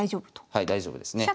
はい大丈夫ですね。